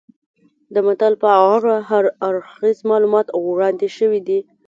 د متل په اړه هر اړخیز معلومات وړاندې شوي دي